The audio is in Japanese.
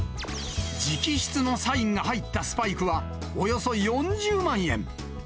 直筆のサインが入ったスパイクはおよそ４０万円。